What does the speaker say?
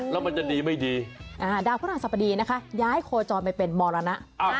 แล้วอ้าวมันจะดีไม่ดีอ่าดาวพระสมศดีต์นะฮะย้ายโคจรไปเป็นโมลานะ